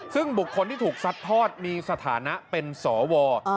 ซึ่งบุคคลที่ถูกซัดทอดมีสถานะเป็นสว